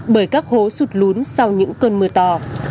bởi các hố sụt lún sau những cơn mưa to